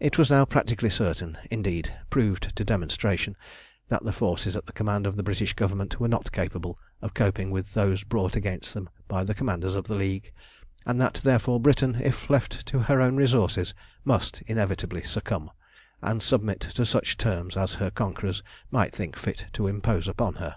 It was now practically certain, indeed proved to demonstration, that the forces at the command of the British Government were not capable of coping with those brought against them by the commanders of the League, and that therefore Britain, if left to her own resources, must inevitably succumb, and submit to such terms as her conquerors might think fit to impose upon her.